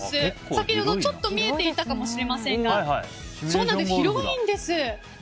先ほど、ちょっと見えていたかもしれませんが。